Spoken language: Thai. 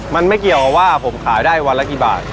มันไม่เกี่ยวกับว่าผมขายได้วันละกี่บาท